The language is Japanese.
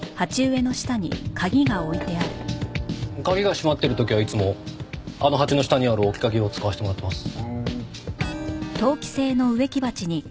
鍵が閉まってる時はいつもあの鉢の下にある置き鍵を使わせてもらってます。